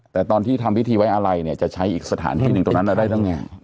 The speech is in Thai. แต่ตอนที่ทำพิธีไว้อะไรเนี่ยจะใช้อีกสถานที่หนึ่งตรงนั้นได้หรือไง